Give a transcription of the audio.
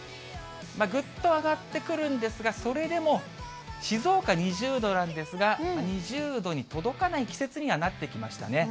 ぐっと上がってくるんですが、それでも静岡２０度なんですが、２０度に届かない季節にはなってきましたね。